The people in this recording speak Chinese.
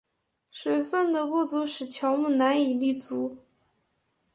水分的不足使乔木难以立足。